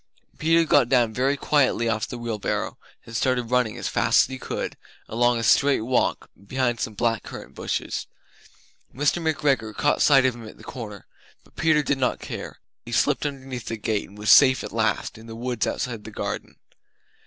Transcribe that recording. Peter got down very quietly off the wheel barrow and started running as fast as he could go, along a straight walk behind some black currant bushes. Mr. McGregor caught sight of him at the corner, but Peter did not care. He slipped underneath the gate and was safe at last in the wood outside the garden.